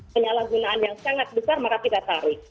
penyalahgunaan yang sangat besar maka kita tarik